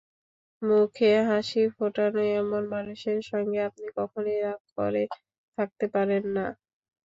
মুখে হাসি ফোটানোএমন মানুষের সঙ্গে আপনি কখনোই রাগ করে থাকতে পারেন না।